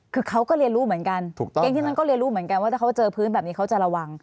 คือเขาก็เรียนรู้เหมือนกันถูกต้องก็เรียนรู้เหมือนกันว่าถ้าเขาเจอพื้นแบบนี้เขาจะระวัง